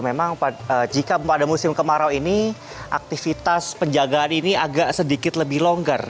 memang jika pada musim kemarau ini aktivitas penjagaan ini agak sedikit lebih longgar